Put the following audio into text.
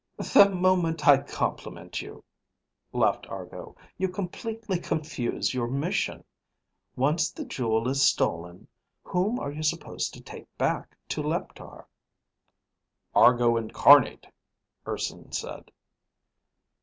"The moment I compliment you," laughed Argo, "you completely confuse your mission. Once the jewel is stolen, whom are you supposed to take back to Leptar?" "Argo Incarnate," Urson said.